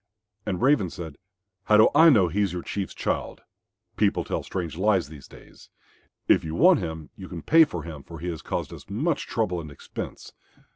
And Raven said, "How do I know he is your Chief's child? People tell strange lies these days. If you want him you can pay for him, for he has caused us much trouble and expense."